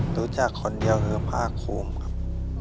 รู้จักคนเดียวคือผ้าคุมครับ